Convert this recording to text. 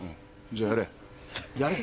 じゃあやれ。